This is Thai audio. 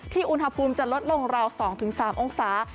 อุณหภูมิจะลดลงราว๒๓องศา